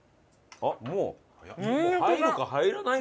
あっもう？